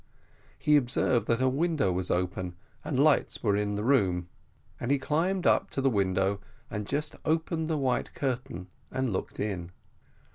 He observed that a window was open and lights were in the room; and he climbed up to the window, and just opened the white curtain and looked in.